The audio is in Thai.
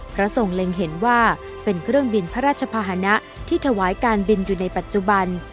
ทรงเล็งเห็นว่าเป็นเครื่องบินพระราชภาษณะที่ถวายการบินอยู่ในปัจจุบัน